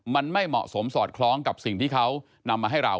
มันไม่เหมาะสมสอดคล้องกับสิ่งที่เขานำมาให้เรา